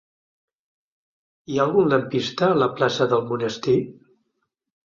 Hi ha algun lampista a la plaça del Monestir?